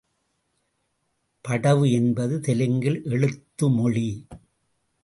படவ என்பது தெலுங்கில் எழுத்து மொழி.